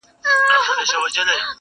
هر نسل يې يادوي بيا بيا,